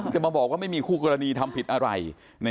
จะมาบอกว่าไม่มีคู่กรณีทำผิดอะไร